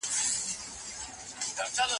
د پوهانو پام فقر ته واوښت.